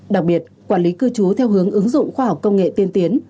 đặc biệt quản lý cư trú theo hướng ứng dụng khoa học công nghệ tiên tiến